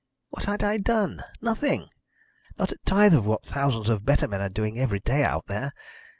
What had I done! Nothing! Not a tithe of what thousands of better men are doing every day out there.